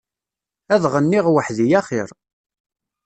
Ad ɣenniɣ weḥdi a xir.